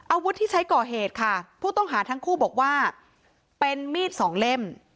อาวุธที่ใช้ก่อเหตุค่ะผู้ต้องหาทั้งคู่บอกว่าเป็นมีดสองเล่ม